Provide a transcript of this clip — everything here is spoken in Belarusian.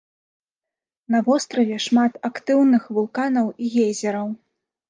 На востраве шмат актыўных вулканаў і гейзераў.